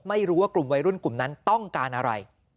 ไม่รู้ว่ากลุ่มวัยรุ่นกลุ่มนั้นต้องการอะไร